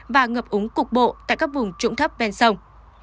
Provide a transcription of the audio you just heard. và ngập úng cục bộ tại các vùng trỗng thấp bên sông